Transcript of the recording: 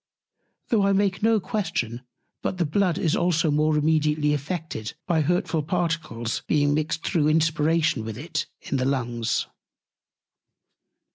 Though I make no Question but the Blood is also more immediately affected by hurtful Particles being mixed through Inspiration with it in the Lungs.